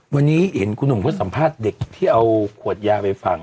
วันนี้เห็นคุณหนุ่มเขาสัมภาษณ์เด็กที่เอาขวดยาไปฝั่ง